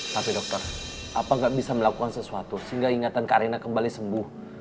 tapi dokter apa gak bisa melakukan sesuatu sehingga ingatan kak reyna kembali sembuh